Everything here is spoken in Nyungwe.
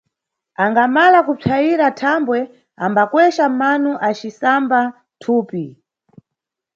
Angamala kupsayira thambwe, ambakweca mano acisamba thupi.